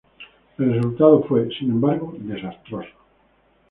El resultado fue, sin embargo, desastroso.